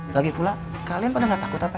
lagipula kalian pada gak takut apa